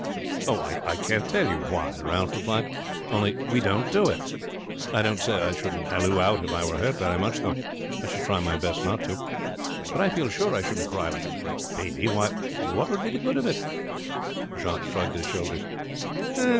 "Oh, I can't tell you why," Ralph replied, "only we don't do it. I don't say I shouldn't halloo out if I were hurt very much, though I should try my best not to; but I feel sure I shouldn't cry like a great baby. Why, what would be the good of it?" Jacques shrugged his shoulders.